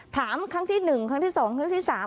ถามครั้งที่หนึ่งครั้งที่สองครั้งที่สาม